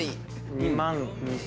２万２０００。